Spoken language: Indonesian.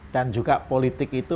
dan juga politik itu